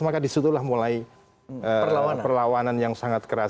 maka disitulah mulai perlawanan perlawanan yang sangat keras